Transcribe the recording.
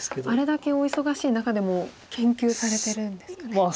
あれだけお忙しい中でも研究されてるんですかね。